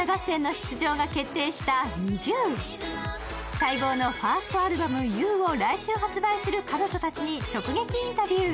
待望のファーストアルバム「Ｕ」を来週発売する彼女たちに直撃インタビュー。